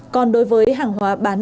còn đối với hàng hóa bán